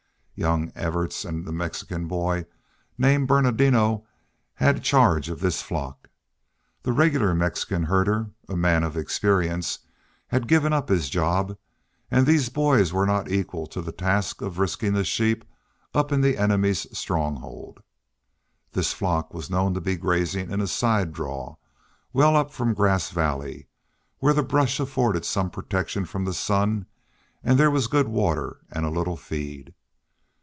Young Evarts and a Mexican boy named Bernardino had charge of this flock. The regular Mexican herder, a man of experience, had given up his job; and these boys were not equal to the task of risking the sheep up in the enemies' stronghold. This flock was known to be grazing in a side draw, well up from Grass Valley, where the brush afforded some protection from the sun, and there was good water and a little feed.